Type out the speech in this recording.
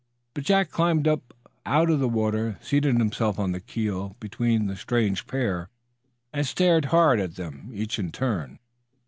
But Jack climbed up out of the water, seated himself on the keel between the strange pair, and stared hard at them, each in turn.